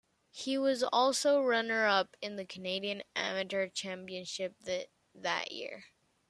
He was also runner-up in the Canadian Amateur Championship that year.